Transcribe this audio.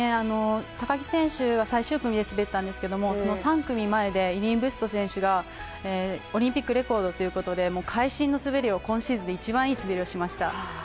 高木選手は最終組で滑ったんですけれども３組前で、イレーン・ビュスト選手が、オリンピックレコードということで、会心の滑りを、今シーズンで一番いい滑りをしました。